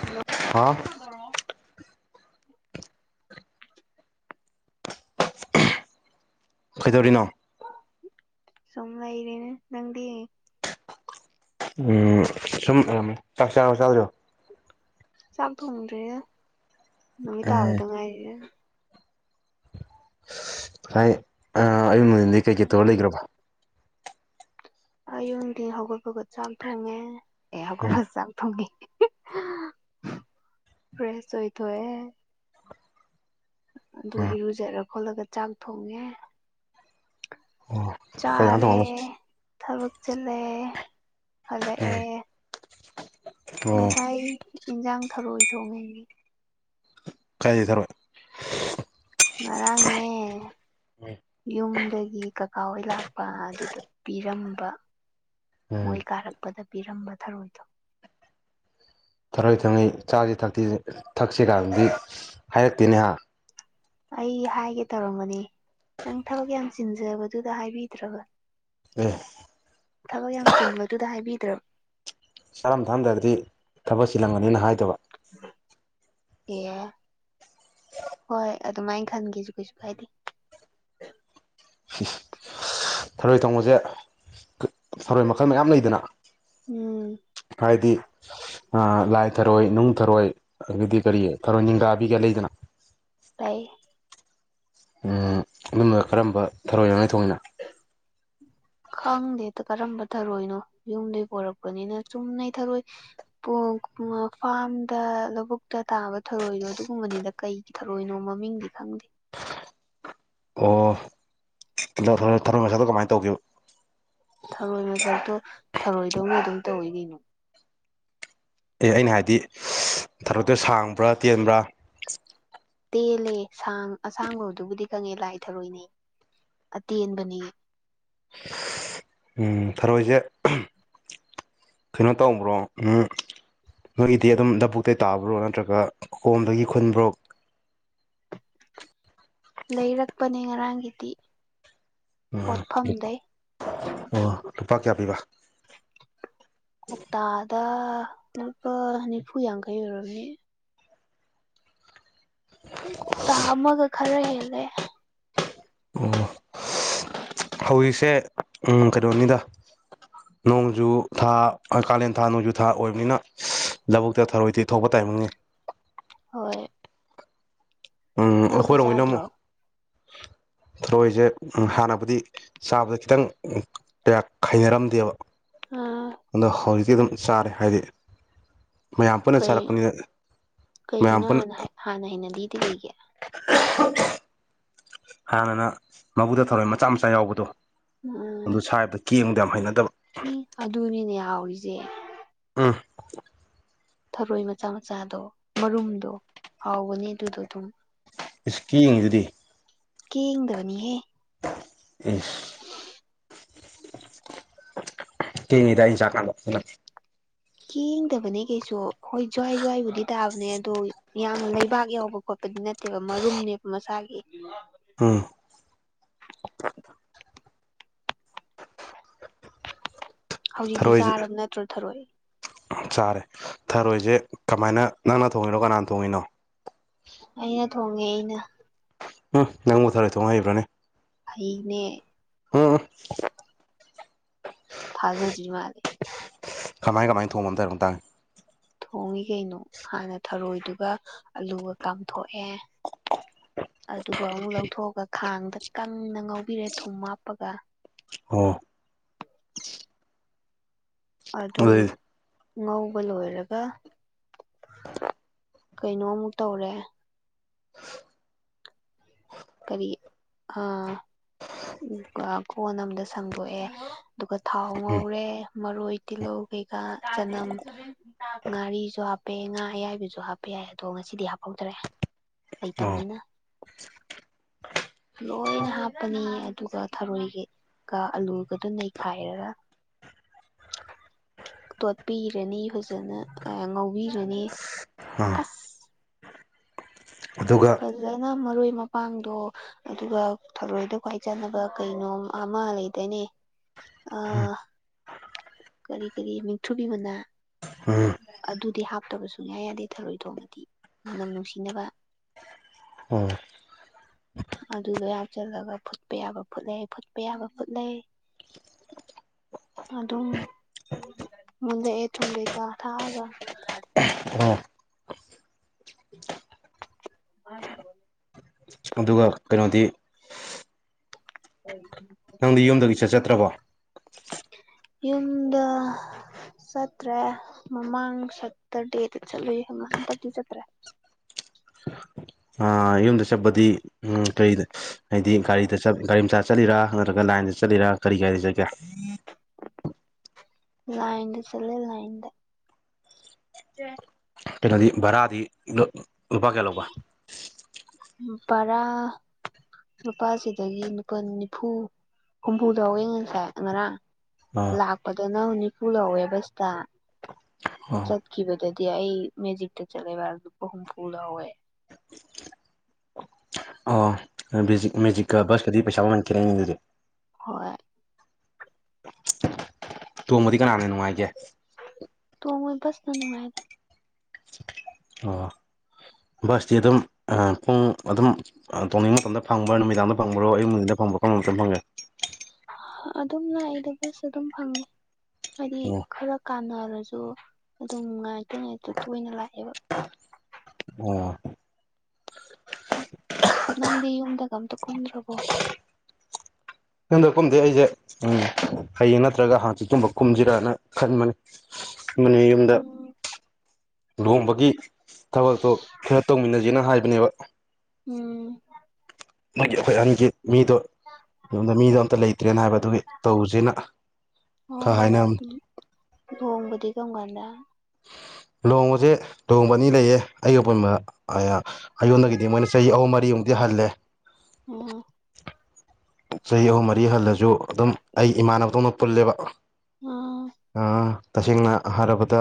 Hello ꯍꯥ ꯐꯣꯏꯗꯔꯤꯅꯣ ꯁꯣꯝ ꯂꯏꯗꯅꯦ ꯅꯪꯗꯤ ꯎꯝ ꯁꯨꯝ ꯆꯥꯛ ꯆꯥ ꯆꯥꯁꯨꯣ ꯆꯥꯛ ꯊꯣꯡꯗ꯭ꯔꯦ ꯅꯨꯃꯤꯠ ꯎꯝ ꯇꯥꯕꯗ ꯉꯥꯏꯔꯤꯦ ꯉ ꯑ ꯑꯌꯗꯤ ꯀꯩ ꯀꯩ ꯇꯔ ꯂꯩꯈ꯭ꯔꯕ ꯑꯌꯨꯨꯡꯗꯤ ꯍꯧꯒꯠꯄꯒ ꯆꯥꯛ ꯊꯣꯡꯉꯦ ꯑꯦ ꯎꯝ ꯍꯧꯒꯠꯄꯁꯨ ꯆꯥꯛ ꯊꯣꯡꯉꯦ ꯐ꯭ꯔꯦꯁ ꯑꯣꯏꯊꯣꯏꯋꯦ ꯑꯗꯨ ꯑꯥ ꯏꯔꯨꯖꯠꯔ ꯈꯣꯠꯂꯒ ꯆꯥꯛ ꯊꯣꯡꯉꯦ ꯑꯣ ꯀꯩ ꯏꯟꯖꯥꯡ ꯆꯥꯔꯦ ꯊꯣꯡꯉꯕ ꯊꯕꯛ ꯆꯜꯂꯑꯦ ꯍꯂꯛꯑꯦ ꯎꯝ [unintelligible] ꯑꯣ ꯉꯁꯥꯏ ꯏꯟꯁꯥꯡ ꯊꯔꯣꯏ ꯊꯣꯡꯉꯅꯤ ꯀꯥꯏ ꯊꯔꯣꯏ ꯉꯔꯥꯡꯅꯦ ꯌꯨꯝꯗꯒꯤ ꯀꯀꯥ ꯍꯣꯏ ꯂꯥꯛꯄ ꯑꯗꯨꯗ ꯄꯤꯔꯝꯕ ꯃꯣꯏ ꯎꯝ ꯀꯥꯔꯛꯄꯗ ꯄꯤꯔꯝꯕ ꯊꯔꯣꯏ ꯊ ꯊꯔꯣꯏ ꯊꯥꯡꯅꯩ ꯆꯥꯥꯁ ꯊꯛꯁꯤ ꯀꯥꯟꯗꯤ ꯍꯥꯏꯔꯛꯇꯦꯅꯦꯍ ꯑꯩ ꯍꯥꯏꯒꯦ ꯇꯧꯔꯝꯕꯅꯤ ꯅꯪ ꯊꯕꯛ ꯌꯥꯝ ꯆꯤꯟꯖꯕꯗꯨꯗ ꯍꯥꯏꯕꯤꯗ꯭ꯔꯕ ꯑꯦ ꯊꯕꯛ ꯌꯥꯝ ꯆꯤꯟꯕꯗꯨꯗ ꯍꯥꯏꯕꯤꯗ꯭ꯔꯣ ꯆꯥꯔꯝ ꯊꯥꯝꯗ꯭ꯔꯗꯤ ꯊꯕꯛ ꯁꯤꯤꯜꯂꯝꯒꯅꯤꯅ ꯍꯥꯏꯗꯕ [unintelligible] ꯍꯣꯏ ꯑꯗꯨꯃꯥꯏꯅ ꯈꯟꯒꯦꯁꯨ ꯀꯩꯁꯨ ꯀꯥꯏꯗꯦ ꯊꯔꯣꯏ ꯊꯣꯡꯕꯁꯦ ꯊꯔꯣꯏ ꯃꯈꯜ ꯃꯌꯥꯝ ꯂꯩꯗꯅ ꯎꯝ ꯍꯥꯏꯗꯤ ꯂꯥꯏ ꯊꯔꯣꯏ ꯅꯨꯡ ꯊꯔꯣꯏ ꯑꯗꯨꯗꯤ ꯀꯔꯤ ꯊꯔꯣꯏ ꯅꯤꯡꯊꯕꯤꯒꯦ ꯂꯩꯗꯅ ꯇꯥꯏ ꯎ ꯑꯗꯨꯝꯕ ꯀꯔꯝꯕ ꯊꯔꯣꯏꯅꯅꯤ ꯊꯣꯡꯃꯤꯅ ꯈꯪꯗꯦ ꯀꯔꯝꯕ ꯊꯔꯣꯏꯅꯣ ꯌꯨꯝꯗꯩ ꯄꯣꯔꯛꯄꯅꯤꯅ ꯆꯨꯝꯅꯩ ꯊꯔꯣꯏ ꯐꯥꯔꯝꯗ ꯂꯧꯕꯨꯛꯇ ꯇꯥꯕ ꯊꯧꯔꯣꯏꯗꯣ ꯑꯗꯨꯒꯨꯝꯕꯅꯤꯗ ꯀꯩꯒꯤ ꯊꯧꯔꯣꯏꯅꯣ ꯃꯃꯤꯡꯗꯤ ꯈꯪꯅꯤ ꯍ ꯑꯣ ꯊꯧꯔꯝ ꯉꯁꯗ ꯀꯃꯥꯏꯅ ꯇꯧꯈꯤꯕ ꯊꯧꯔꯣꯏ ꯃꯆꯛꯇꯣ ꯊꯧꯔꯣꯏꯗꯧꯅ ꯑꯗꯨꯝ ꯇꯧꯋꯤ ꯀꯩꯅꯣ ꯑꯦ ꯑꯩꯅ ꯍꯥꯏꯕꯗꯤ ꯊꯕꯛꯇꯨ ꯁꯥꯡꯕ꯭ꯔꯥ ꯇꯦꯟꯕ꯭ꯔꯥ ꯇꯦꯜꯂꯦꯥꯡ ꯑꯁꯥꯡꯒꯧꯗꯨꯕꯨꯗꯤ ꯈꯪꯉꯦ ꯂꯥꯏ ꯊꯔꯣꯏꯅꯦ ꯑꯗꯤ ꯌꯦꯟꯕꯅꯤ ꯎꯝ ꯐꯔꯣꯏꯁꯦ ꯀꯩꯅꯣ ꯇꯧꯕ꯭ꯔꯣ ꯎꯝ ꯅꯣꯏꯒꯤꯗꯤ ꯑꯗꯨꯝ ꯗꯕꯨꯇꯩ ꯇꯥꯕ꯭ꯔꯣ ꯅꯠꯇ꯭ꯔꯒ ꯀꯣꯝꯗꯒꯤ ꯈꯨꯟꯕ꯭ꯔꯣ꯫ ꯂꯩꯔꯛꯄꯅꯦ ꯉꯔꯥꯡꯒꯤꯗꯤ꯫ ꯎꯝ ꯄꯣꯠꯐꯝꯗꯩ ꯑꯣ ꯂꯨꯄꯥ ꯀꯌꯥ ꯄꯤꯕ꯫ ꯀꯧꯇꯥꯗ ꯂꯨꯄꯥ ꯅꯤꯐꯨ ꯌꯥꯡꯈꯩ ꯑꯣꯏꯔꯝꯅꯦ꯫ ꯀꯇꯥ ꯑꯃꯒ ꯈꯔ ꯍꯦꯜꯂꯦ꯫ ꯑꯣ ꯍꯧꯖꯤꯛꯁꯦ ꯎꯝ ꯀꯩꯅꯣꯅꯤꯗ꯫ ꯅꯣꯡꯖꯨ ꯊꯥ ꯀꯥꯂꯦꯟ ꯊꯥ ꯅꯣꯡꯖꯨ ꯊꯥ ꯑꯣꯏꯕꯅꯤꯅ꯫ ꯂꯧꯕꯨꯛꯇ ꯊꯔꯣꯏꯗꯤ ꯊꯣꯛꯄ ꯇꯥꯏꯃꯤꯉꯦ꯫ ꯍꯣꯏ꯫ ꯎꯝ ꯅꯪꯗꯤ ꯑꯩꯈꯣꯏꯔꯣꯝꯒꯤꯅ ꯆꯥꯗ꯭ꯔꯣ꯫ ꯑꯃꯨꯛ [inaudible] ꯊꯔꯣꯏꯁꯦ ꯍꯥꯟꯅꯕꯨꯗꯤ ꯆꯥꯕꯗ ꯈꯤꯇꯪ ꯀꯌꯥ ꯈꯥꯏꯅꯔꯝꯗꯦꯕ꯫ ꯑ ꯑꯗꯣ ꯍꯧꯖꯤꯛꯇꯤ ꯑꯗꯨꯝ ꯆꯥꯔꯦ ꯍꯥꯏꯗꯤ꯫ ꯃꯌꯥꯝ ꯄꯨꯟꯅ ꯀꯩ ꯆꯥꯔꯛꯄꯅꯤꯅ ꯃꯌꯥꯝ ꯀꯩꯒꯤꯅꯣ ꯄꯨꯟꯅ꯫ ꯍꯥꯟꯅ ꯍꯥꯟꯅ ꯍꯩꯅꯗꯤꯗꯤ ꯀꯩꯒꯤ [unintelligible] ꯍꯥꯟꯅꯅ ꯃꯕꯨꯗ ꯊꯧꯔꯣꯏ ꯃꯆꯥ ꯃꯆꯥ ꯌꯥꯎꯕꯗꯣ꯫ ꯎꯝ꯫ ꯀꯦꯡꯗ ꯌꯥꯝ ꯍꯩꯅꯗꯕ ꯎ ꯑꯗꯨꯅꯤꯅꯦ ꯌꯥꯎꯔꯤꯁꯦ꯫ ꯎꯝ꯫ ꯊꯔꯣꯏ ꯃꯆꯥ ꯃꯆꯥꯗꯣ ꯃꯔꯨꯝꯗꯣ ꯍꯥꯎꯕꯅꯤ ꯑꯗꯨꯗꯣ ꯑꯗꯨꯝ꯫ ꯏꯁ ꯀꯦꯡꯏꯗꯨꯗꯤ꯫ ꯀꯦꯡꯗꯕꯅꯤꯍꯦ꯫ ꯎꯝ꯫ [unintelligible] ꯀꯦꯡꯏꯗ ꯑꯩ ꯆꯀꯥꯟꯗ꯫ ꯀꯦꯡꯗꯕꯅꯦ ꯀꯩꯁꯨ ꯍꯣꯏ ꯖ꯭ꯋꯥꯏ ꯖ꯭ꯋꯥꯏꯕꯨꯗꯤ ꯇꯥꯕꯅꯦ ꯑꯗꯣ ꯌꯥꯝꯅ ꯂꯩꯕꯥꯛ ꯌꯥꯎꯕ ꯈꯣꯠꯄ꯫ ꯗꯤ ꯅꯠꯇꯦꯕ ꯃꯔꯨꯝꯅꯦꯕ ꯃꯁꯥꯒꯤ꯫ ꯎꯝ꯫ ꯍꯧꯖꯤꯛꯇꯤ ꯊꯔꯣꯏꯁꯦ ꯆꯥꯔꯕ ꯅꯠꯇ꯭ꯔꯣ ꯊꯔꯣꯏ꯫ ꯆꯥꯔꯦ ꯊꯔꯣꯏꯁꯦ ꯀꯃꯥꯏꯅ ꯅꯪꯅ ꯊꯣꯡꯉꯤꯅꯣ ꯀꯅꯥꯅ ꯊꯣꯡꯉꯤꯅꯣ꯫ ꯑꯩꯅ ꯊꯣꯡꯉꯦ ꯑꯩꯅ꯫ ꯎꯝ ꯅꯪꯕꯨ ꯊꯥꯔꯣꯏ ꯊꯣꯡ ꯍꯩꯕ꯭ꯔꯥꯅꯦ꯫ ꯍꯩꯅꯦ꯫ ꯑꯥ꯫ ꯊꯖꯗꯔ꯭ꯤ ꯃꯥꯂꯦ꯫ ꯀꯃꯥꯏ ꯀꯃꯥꯏꯅ ꯊꯣꯡꯕ ꯑꯃ ꯇꯧꯔꯣꯝ ꯇꯥꯡ꯫ ꯊꯣꯡꯉꯤ ꯀꯩꯅꯣ ꯍꯥꯟꯅ ꯊꯔꯣꯏꯗꯨꯒ ꯑꯂꯨꯒ ꯀꯥꯝꯊꯣꯛꯑꯦ꯫ ꯑꯗꯨꯒ ꯑꯃꯨꯛ ꯂꯧꯊꯣꯛꯑꯒ ꯈꯥꯡꯗ ꯀꯪꯅ ꯉꯧꯕꯤꯔꯦ ꯊꯨꯝ ꯍꯥꯞꯄꯒ꯫ ꯑꯣ꯫ ꯑꯗꯨ꯫ ꯑꯗꯨꯗꯤ ꯉꯧꯕ ꯂꯣꯏꯔꯒ ꯀꯩꯅꯣꯃꯨꯛ ꯇꯧꯔꯦ꯫ ꯀꯔꯤ ꯑꯥ꯫ ꯑꯥ ꯀꯣꯟ ꯑꯝꯗ ꯁꯪꯗꯣꯛꯑꯦ ꯑꯗꯨꯒ ꯊꯥꯎ ꯎꯝ ꯉꯧꯔꯦ ꯃꯔꯣꯏ ꯇꯤꯜꯍꯧ꯫ ꯀꯩꯀꯥ ꯆꯅꯝ ꯉꯥꯔꯤꯁꯨ ꯍꯥꯞꯄꯦ ꯉꯥ ꯑꯌꯥꯏꯕꯁꯨ ꯍꯥꯞꯄ ꯌꯥꯏ ꯑꯗꯣ ꯉꯁꯤꯗꯤ ꯍꯥꯄ꯫ ꯍꯧꯗ꯭ꯔꯦ ꯑꯣ ꯂꯩꯇꯥꯝꯅꯤꯅ꯫ ꯂꯣꯏꯅ ꯍꯥꯞꯄꯅꯤ ꯑꯗꯨꯒ ꯊꯔꯣꯏꯒꯤ꯫ ꯀ ꯑꯂꯨꯒꯗꯨ ꯅꯩꯈꯥꯏꯔꯒ꯫ [unintelligible] ꯇꯣꯠꯄꯤꯔꯅꯤ ꯐꯖꯅ ꯉꯧꯕꯤꯔꯅꯤ꯫ ꯍꯥꯥ ꯑꯁ ꯐꯖꯅ ꯃꯔꯣꯏ ꯃꯄꯥꯡꯗꯣ ꯑꯗꯨꯒ ꯊꯔꯣꯏꯗ ꯈ꯭ꯋꯥꯏ ꯆꯥꯅꯕ ꯀꯩꯅꯣꯝ ꯃꯥ ꯂꯩ ꯇꯅꯦ ꯑ ꯀꯔꯤ ꯀꯔꯤ ꯃꯤꯊꯨꯕꯤ ꯃꯅ ꯎꯝ ꯑꯗꯨꯗꯤ ꯍꯥꯞꯇꯕ ꯁꯨꯡꯌꯥ ꯌꯥꯗꯦ ꯊꯔꯣꯏ ꯊꯣꯡꯉꯗꯤ ꯃꯅꯝ ꯅꯨꯡꯁꯤꯅꯕ ꯎꯝ ꯑꯗꯨꯗꯣ ꯍꯥꯞꯆꯜꯂꯒ ꯐꯨꯠꯄ ꯌꯥꯕ ꯐꯨꯠꯂꯦ ꯐꯨꯠꯄ ꯌꯥꯕ ꯐꯨꯠꯂꯩ ꯑꯗꯨꯝ ꯃꯂꯑ ꯊꯨꯡ ꯂꯩꯩ ꯀ ꯊꯥꯒ ꯑꯣ ꯃꯥ ꯊꯒꯅꯦ ꯑꯗꯨꯒ ꯀꯩꯅꯣꯗꯤ ꯍ ꯅꯪꯗꯤ ꯌꯨꯝꯗꯒꯤ ꯆꯠ ꯆꯠꯇ꯭ꯔꯕꯣ ꯌꯨꯝꯗ ꯆꯠꯇ꯭ꯔꯦ ꯃꯃꯥꯡ ꯁꯇꯔꯗꯦꯗ ꯆꯠꯂꯨꯏ ꯍꯪꯟꯇꯗꯤ ꯆꯠꯇ꯭ꯔꯦ ꯑꯥ ꯌꯨꯝꯗ ꯆꯠꯄꯗꯤ ꯀꯔꯤ ꯍꯥꯏꯗꯤ ꯒꯥꯔꯤꯗ ꯆ ꯒꯥꯔꯤ ꯑꯃ ꯆ ꯆꯠꯂꯤꯔ ꯅꯠꯇ꯭ꯔꯒ ꯂꯥꯏꯟꯗ ꯆꯠꯂꯤꯔꯥ ꯀꯔꯤ ꯀ ꯂꯩ ꯆꯠꯒꯦ ꯂꯥꯏꯗ ꯆꯂꯦ ꯂꯥꯏꯗꯦ ꯑꯦꯦ ꯀꯩꯅꯣꯗꯤ ꯚꯔꯥꯗꯤ ꯂꯨꯄꯥ ꯀꯌꯥ ꯂꯧꯕ ꯄꯔꯥ ꯅꯨꯄꯥꯁꯤꯗꯒꯤ ꯅꯨꯄꯥꯜ ꯅꯤꯐꯨ ꯍꯨꯝꯐꯨꯗꯥꯎ ꯌꯦꯡꯉꯟꯁꯦ ꯉꯔꯥꯡ ꯑꯥ ꯂꯥꯛꯄꯗꯅ ꯅꯤꯐꯨ ꯂꯧꯋꯦ ꯕꯁꯇ ꯑꯣ ꯆꯠꯈꯤꯕꯗꯗꯤ ꯑꯩ ꯃꯦꯖꯤꯛꯇ ꯆꯠꯂꯦꯕ ꯍꯥꯏꯗꯨ ꯍꯨꯝꯐꯨ ꯂꯧꯍꯧꯋꯦ ꯑꯣꯦꯖꯤꯛ ꯃꯦꯖꯤꯛꯀ ꯕꯁꯀꯗꯤ ꯄꯩꯁꯥ ꯃꯃꯟꯈꯤꯦꯔꯦ ꯑꯩꯗꯨꯗꯤ ꯍꯣꯏ ꯇꯣꯡꯃꯗꯤ ꯀꯅꯥꯅꯦ ꯅꯨꯡꯉꯥꯏꯒꯦ ꯣꯏꯁꯅꯅꯨꯡꯉꯥꯏꯗ ꯑꯣ ꯕꯁꯇꯤ ꯑꯗꯨꯝ ꯄꯨꯡ ꯑꯗꯨꯝ ꯇꯣꯡꯅꯤꯡ ꯃꯇꯝꯗ ꯐꯪꯕ꯭ꯔꯥ ꯅꯨꯃꯤꯗꯥꯡꯗ ꯐꯪꯕ꯭ꯔꯣ ꯑꯌꯛꯗ ꯐꯪ ꯐꯪꯕ ꯐꯪꯗꯝ ꯐꯪꯉꯦ ꯑꯗꯨꯝ ꯂꯥꯛꯏꯗꯕꯁꯨ ꯑꯗꯨꯝ ꯐꯪꯉꯤ ꯍꯥꯏꯗꯤ ꯑꯣ ꯈꯔ ꯀꯥꯟꯅ ꯑꯗꯨꯁꯨ ꯑꯗꯨꯝ ꯉꯥꯏꯇ ꯉꯇ ꯇꯣꯏꯅ ꯂꯥꯛꯑꯦꯕ [inaudible] ꯅꯪꯗꯤ ꯌꯨꯝꯗ ꯀꯝꯗꯨ ꯀꯨꯝꯗ꯭ꯔꯔꯕꯣ ꯍꯟꯗꯛꯀꯨꯝꯗꯤ ꯑꯩꯁꯦ ꯎꯝ ꯍꯌꯦ ꯅꯠꯇ꯭ꯔꯒ ꯍꯥꯟꯆꯤ ꯆꯨꯝꯕ ꯀꯨꯝꯁꯤꯔꯅ ꯈꯟꯕꯅꯦ ꯌꯨꯝꯗ ꯂꯨꯍꯣꯡꯕꯒꯤ ꯊꯕꯛꯇꯣ ꯈꯔ ꯇꯧꯃꯤꯟꯅ ꯌꯦꯅ ꯍꯥꯏꯕꯅꯦꯕ ꯎꯝ ꯃꯥꯒꯤ ꯑꯩꯈꯣꯏ ꯑꯍꯟꯒꯤ ꯃꯤꯗꯣꯣꯟꯗ ꯃꯤꯗꯣ ꯑꯝꯇ ꯂꯩꯇ ꯇ꯭ꯔꯦꯟ ꯍꯥꯏꯕꯗꯨꯒꯤ ꯇꯧꯁꯤꯅ ꯈꯔ ꯍꯥꯏꯅꯔꯝꯅꯤ ꯑ ꯀꯝꯒꯥꯟꯗ ꯍ ꯂꯨꯍꯣꯡꯕꯁꯦ ꯂꯨꯍꯣꯡꯕ ꯑꯅꯤ ꯂꯩꯌꯦ ꯑꯌꯣꯄ ꯑꯩꯉꯣꯟꯗꯒꯤꯗꯤ ꯃꯣꯏꯅ ꯆꯍꯤ ꯑꯍꯨꯝ ꯃꯔꯤꯃꯨꯛꯇꯤ ꯈꯜꯂꯦ ꯑ ꯆꯍꯤ ꯑꯍꯨꯝ ꯃꯔꯤ ꯍꯜꯂꯁꯨ ꯑꯗꯨꯝ ꯑꯩ ꯏꯃꯥꯟꯅꯕꯗꯧꯅ ꯄꯨꯜꯂꯦꯕ ꯑꯥ ꯇꯁꯦꯡꯅ ꯍꯥꯏꯔꯕꯗ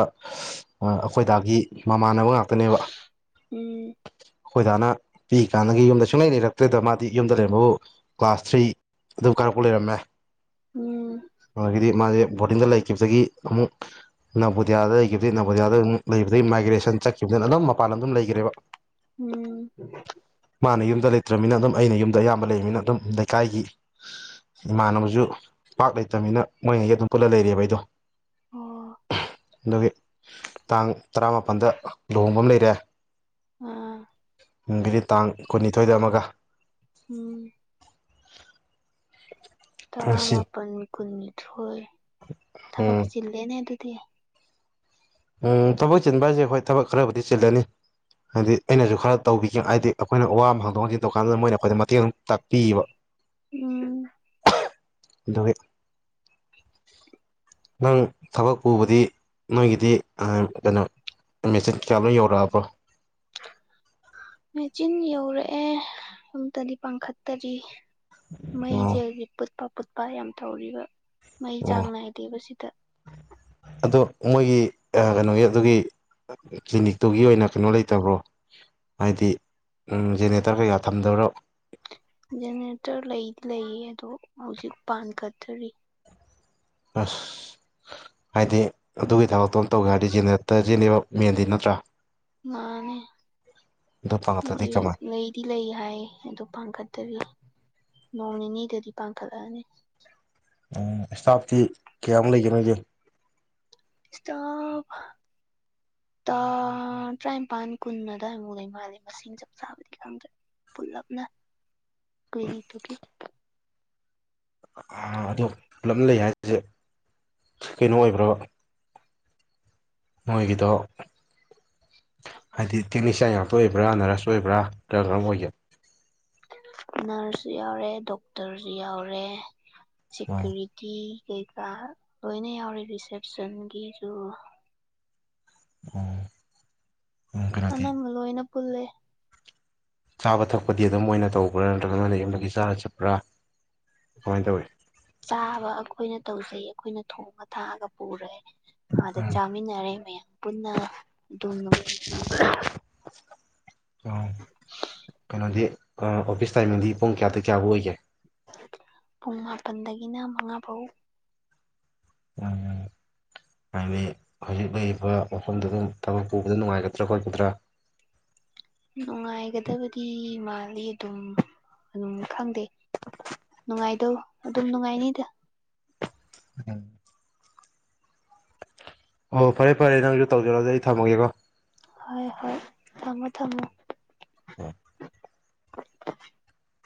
ꯑꯩꯈꯣꯏꯗꯥꯒꯤ ꯃꯥꯟꯅꯕ ꯉꯥꯛꯇꯅꯦꯕ ꯎꯝ ꯑꯈꫭꯏ ꯗꯥꯅ ꯄꯤꯛꯏ ꯀꯥꯟꯅꯗꯒꯤ ꯌꯨꯝꯗ ꯁꯨꯡꯂꯩ ꯂꯩꯔꯛꯇ꯭ꯔꯦꯗ ꯃꯥꯗꯤ ꯌꯨꯝꯗ ꯂꯩꯔꯝꯕꯕꯨ ꯀ꯭ꯂꯥꯁ ꯊ꯭ꯔꯤ ꯑꯗꯨ ꯀꯥꯔꯛꯄ ꯂꯩꯔꯝꯃꯦ ꯎꯝ ꯑꯗꯒꯤꯗꯤ ꯃꯥꯁꯦ ꯕꯣꯔꯗꯤꯡꯗ ꯂꯩꯈꯤꯕꯗꯒꯤ ꯑꯃꯨꯛ ꯅꯕꫭꯗꯤꯌꯥꯗ ꯂꯩꯈꯤꯕꯗꯒꯤ ꯅꯕꫭꯗꯤꯌꯥꯗ ꯑꯃꯨꯛ ꯂꯩꯕꯗꯒꯤ ꯃꯥꯏꯒ꯭ꯔꯦꯁꯟ ꯆꯠꯈꯤ ꯗꯨꯅ ꯗꯨꯝ ꯃꯄꯥꯟ ꯂꯝꯗ ꯗꯨꯝ ꯂꯩꯈ꯭ꯔꯦꯕ ꯎꯝ ꯃꯥꯅ ꯌꯨꯝꯗ ꯂꯩꯇ꯭ꯔꯕꯅꯤꯅ ꯑꯗꯨꯝ ꯑꯩꯅ ꯌꯨꯝꯗ ꯑꯌꯥꯝꯕ ꯂꯩꯕꯅꯤꯅ ꯑꯗꯨꯝ ꯂꯩꯀꯥꯏꯒꯤ ꯏꯃꯥꯟꯅꯕꯁꯨ ꯄꯥꯛ ꯂꯩꯇꯝꯅꯤꯅ ꯃꯣꯏꯉꯩꯒ ꯑꯗꯨꯝ ꯄꯨꯜꯂ ꯂꯩꯔꯦꯕ ꯑꯩꯗꯣ ꯑꯣ ꯑꯗꯨꯒꯤ ꯇꯥꯡ ꯇꯔꯥꯃꯥꯄꯜꯗ ꯂꯨꯍꯣꯡꯕ ꯑꯃ ꯂꯩꯔꯦ ꯑꯥ ꯅꯨꯡꯗꯤꯒꯤ ꯇꯥꯡ ꯀꯨꯟꯅꯤꯊꯣꯏꯗ ꯑꯃꯒ ꯎꯝ ꯁꯤ ꯇꯔꯥꯃꯥꯄꯜ ꯀꯨꯟꯅꯤꯊꯣꯏ ꯊꯕꯛ ꯎꯝ ꯆꯤꯜꯂꯦꯅꯦ ꯑꯗꯨꯗꯤ ꯎꯝ ꯊꯕꯛ ꯆꯤꯟꯕ ꯍꯥꯏꯁꯦ ꯍꯣꯏ ꯊꯕꯛ ꯈꯔꯕꯨꯗꯤ ꯆꯤꯜꯂꯅꯤ ꯍꯥꯏꯗꯤ ꯑꯩꯅꯁꯨ ꯈꯔ ꯇꯧꯕꯤꯒꯦ ꯍꯥꯏꯗꯤ ꯑꯩꯈꯣꯏꯅ ꯋꯥ ꯑꯃ ꯍꯪ ꯗꯣꯛ ꯍꯪꯖꯤꯟ ꯗꯨꯀꯥꯟꯗꯨꯗ ꯃꯣꯏꯅ ꯑꯩꯈꯣꯏꯗ ꯃꯇꯦꯡ ꯑꯗꯨꯝ ꯇꯥꯛꯄꯤꯕ ꯎꯝ ꯑꯗꯨꯒꯤ ꯅꯪ ꯊꯕꯛ ꯄꯨꯕꯗꯤ ꯅꯣꯏꯒꯤꯗꯤ ꯑꯥ ꯀꯩꯅꯣ ꯃꯦꯆꯤꯠ ꯀꯌꯥ ꯃꯨꯛ ꯌꯧꯔꯛꯑꯕꫭ ꯃꯦꯆꯤꯟ ꯌꯧꯔꯛꯑꯦ ꯑꯝꯇꯗꯤ ꯄꯥꯡꯈꯠꯇꯔꯤ ꯃꯩꯁꯦ ꯑꯣ ꯍꯧꯖꯤꯛ ꯄꯨꯠꯄ ꯄꯨꯠꯄ ꯌꯥꯝ ꯇꯧꯔꯤꯕ ꯃꯩ ꯑꯣ ꯆꯥꯡ ꯅꯥꯏꯗꯦꯕ ꯁꯤꯗ ꯑꯗꯣ ꯃꯣꯏꯒꯤ ꯑꯥ ꯀꯩꯅꯣꯒꯤ ꯑꯗꯨꯒꯤ ꯀ꯭ꯂꯤꯅꯤꯛꯇꯨꯒꯤ ꯑꯣꯏꯅ ꯀꯩꯅꯣ ꯂꯩꯇꯕ꯭ꯔꯣ ꯍꯥꯏꯗꯤ ꯖꯦꯅꯦꯔꯦꯇꯔ ꯀꯩꯀꯥ ꯊꯝꯗꯕꯔꯣ ꯖꯦꯅꯦꯔꯦꯇꯔ ꯂꯩꯗꯤ ꯂꯩꯌꯦ ꯑꯗꯣ ꯍꯧꯖꯤꯛ ꯄꯥꯟꯈꯇ꯭ꯔꯤ ꯑꯁ ꯍꯥꯏꯗꯤ ꯑꯗꯨꯒꯤ ꯊꯕꯛꯇꯣ ꯑꯃ ꯇꯧꯒꯦ ꯍꯥꯏꯔꯗꯤ ꯖꯦꯅꯦꯔꯦꯇꯔ ꯖꯤꯅꯦꯕ ꯃꯦꯟꯗꯤ ꯅꯠꯇ꯭ꯔꯥ ꯃꯥꯅꯦ ꯑꯗꯨ ꯐꯪꯉꯛꯇ꯭ꯔꯗꯤ ꯃꯣꯏ ꯀꯃꯥꯏ ꯂꯩꯗꯤ ꯂꯩ ꯍꯥꯏ ꯑꯗꯨ ꯄꯥꯡꯈꯠꯇꯔꯤ ꯅꯣꯡ ꯅꯤꯅꯤꯗꯗꯤ ꯄꯥꯟꯈꯠꯂꯛꯑꯅꯤ ꯎꯝ ꯏꯁꯇꯥꯐꯇꯤ ꯀꯌꯥꯃꯨꯛ ꯂꯩꯒꯦ ꯅꯣꯏꯒꯤ ꯁ꯭ꯇꯥꯕ ꯇ ꯇꯔꯥꯅꯤꯄꯥꯟ ꯀꯨꯟ ꯑꯗꯨꯋꯥꯏꯃꯨꯛ ꯂꯩ ꯃꯥꯜꯂꯦ ꯃꯁꯤꯡ ꯆꯞ ꯆꯥꯕꯗꯤ ꯈꯪꯗ꯭ꯔꯦ ꯄꯨꯜꯂꯞꯅ ꯀ꯭ꯂꯤꯅꯤꯛ ꯇꯨꯒꯤ ꯑꯥ ꯑꯗꯨ ꯄꯨꯂꯞꯅ ꯂꯩ ꯍꯥꯏꯔꯤꯖꯦ ꯀꯩꯅꯣ ꯑꯣꯏꯕ꯭ꯔꯥꯕ ꯃꯣꯏꯒꯤꯗꯣ ꯍꯥꯏꯗꯤ ꯇꯦꯛꯅꯤꯁꯤꯌꯥꯟ ꯉꯥꯛꯇ ꯑꯣꯏꯕ꯭ꯔꯥ ꯅꯔꯁ ꯑꯣꯏꯕ꯭ꯔꯥ ꯀꯔꯝ ꯀꯔꯝꯕ ꯑꯣꯏꯒꯦ ꯅꯔꯁꯁꯨ ꯌꯥꯎꯔꯦ ꯗꯣꯛꯇꯔꯖꯨ ꯌꯥꯎꯔꯦ ꯑꯣ ꯁꯤꯀꯨꯔꯤꯇꯤ ꯀꯩꯀꯥ ꯂꯣꯏꯅ ꯌꯥꯎꯔꯦ ꯔꯤꯁꯦꯞꯁꯟꯒꯤꯁꯨ ꯎꯝ ꯑꯅꯝꯕ ꯂꫭꯏꯅ ꯄꯨꯜꯂꯦ ꯆꯥꯕ ꯊꯛꯄꯗꯤ ꯑꯗꯨꯝ ꯃꫭꯏꯅ ꯇꯧꯕ꯭ꯔꯥ ꯅꯠꯇ꯭ꯔꯒꯅ ꯅꯌꯨꯝꯗꯒꯤ ꯆꯥꯔ ꯆꯠꯄ꯭ꯔꯥ ꯀꯃꯥꯏ ꯇꯧꯋꯤ ꯆꯥꯕ ꯑꯩꯈꯣꯏꯅ ꯇꯧꯖꯩ ꯑꯩꯈꯣꯏꯅ ꯊꯣꯡꯉ ꯊꯥꯛꯑꯒ ꯄꯨꯔꯦ ꯑꯥꯗ ꯆꯥꯃꯤꯟꯅꯔꯦ ꯃꯌꯥꯝ ꯄꯨꯟꯅ ꯑꯗꯨꯝ ꯅꯨꯡꯇꯤꯒꯤ ꯑꫭ ꯀꯩꯅꯣꯗꯤ ꯑꯣꯐꯤꯁ ꯇꯥꯏꯃꯤꯡꯗꯤ ꯄꯨꯡ ꯀꯌꯥꯗꯩ ꯀꯌꯥꯚꯧ ꯑꯣꯏꯒꯦ ꯄꯨꯡ ꯃꯥꯄꯜꯗꯒꯤꯅ ꯃꯉꯥ ꯚꯧ ꯎꯝ ꯍꯥꯏꯗꯤ ꯍꯧꯖꯤꯛ ꯂꯩꯔꯤꯕ ꯃꯐꯝꯗꯨꯗ ꯊꯕꯛ ꯄꯨꯕꯗ ꯅꯨꯡꯉꯥꯏꯒꯗ꯭ꯔꯥ ꯈꯣꯠꯀꯗ꯭ꯔꯥ [inaudible] ꯅꯨꯡꯉꯥꯏꯒꯗꯕꯗꯤ ꯃꯥꯜꯂꯤ ꯑꯗꯨꯝ ꯑꯗꯨꯝ ꯈꯪꯗꯦ ꯅꯨꯡꯉꯥꯏꯗꯧ ꯑꯗꯨꯝ ꯅꯨꯡꯉꯥꯏꯅꯤꯗ ꯎꯝ ꯑꯣ ꯐꯔꯦ ꯐꯔꯦ ꯅꯪꯁꯨ ꯇꯧꯖꯔꯣ ꯑꯗꯨꯗꯤ ꯑꯩ ꯊꯝꯃꯒꯦꯀꯣ ꯍꯣꯏ ꯍꯣꯏ ꯊꯝꯃꯣ ꯊꯝꯃꯣ ꯎꯝ [inaudible]